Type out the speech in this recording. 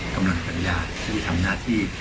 กำลังปรัญญาทำหน้าที่